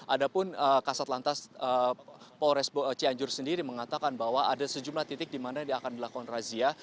ada pun kasat lantas polres cianjur sendiri mengatakan bahwa ada sejumlah titik di mana akan dilakukan razia